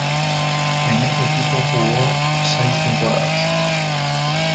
En este equipo jugó seis temporadas.